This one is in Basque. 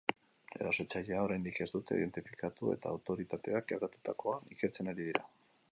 Erasotzailea oraindik ez dute identifikatu eta autoritateak gertatutakoa ikertzen ari dira.